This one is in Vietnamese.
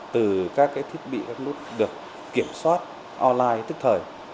từ các thiết bị các nút được kiểm soát online tức thời